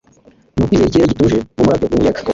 nukwizera ikirere gituje, mumurabyo mumuyaga